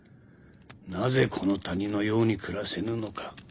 なぜこの谷のように暮らせぬのか。